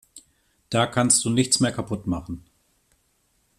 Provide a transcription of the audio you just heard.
Da kannst du nichts mehr kaputt machen.